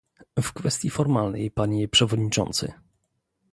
W kwestii formalnej, panie przewodniczący